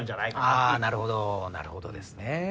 あぁなるほどなるほどですね。